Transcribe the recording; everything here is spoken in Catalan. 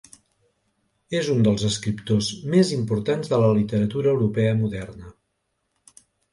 És un dels escriptors més importants de la literatura europea moderna.